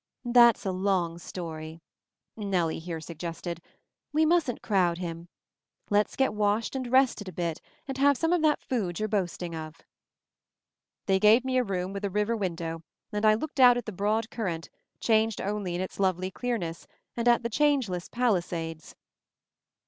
"That's a long story," Nellie here sug gested. "We mustn't crowd him. Let's get washed and rested a bit, and have some of that food you're boasting of." They gave me a room with a river win dow, and I looked out at the broad current, changed only in its lovely clearness, and at the changeless Palisades.